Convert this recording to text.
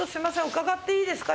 伺っていいですか？